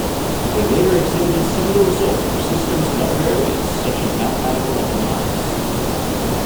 They later exhibited similar results for systems in other areas, such as mathematical economics.